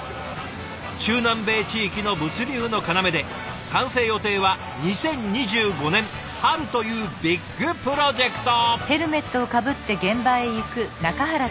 中南米地域の物流の要で完成予定は２０２５年春というビッグプロジェクト。